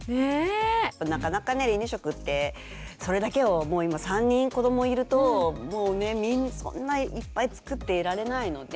なかなか離乳食ってそれだけをもう今３人子どもいるともうねそんないっぱい作っていられないので。